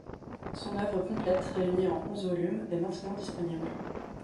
Son œuvre complète, réunie en onze volumes, est maintenant disponible.